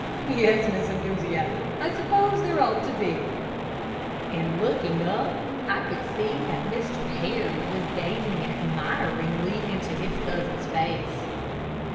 "Yes, Miss Enthusiasm, I suppose there ought to be," and looking up, I could see that Mr. Harry was gazing admiringly into his cousin's face.